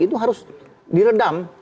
itu harus diredam